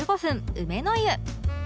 梅の湯